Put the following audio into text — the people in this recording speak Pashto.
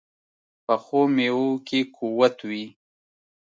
پخو میوو کې قوت وي